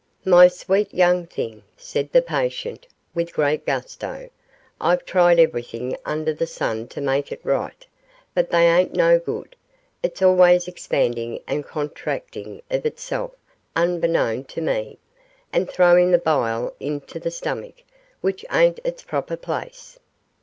'My sweet young thing,' said the patient, with great gusto, 'I've tried everything under the sun to make it right, but they ain't no good; it's always expanding and a contracting of itself unbeknown to me, and throwing the bile into the stomach, which ain't its proper place.